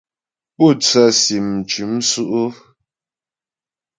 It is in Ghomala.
Pú tsə́sim m cʉ́m sʉ́' ʉ́ ?